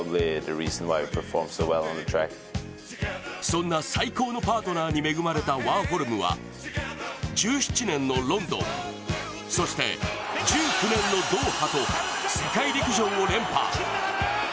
そんな最高のパートナーに恵まれたワーホルムは１７年のロンドン、そして１９年のドーハと世界陸上も連覇。